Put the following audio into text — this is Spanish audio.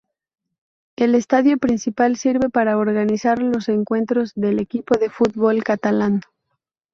El estadio principal sirve para organizar los encuentros del equipo de fútbol catalán.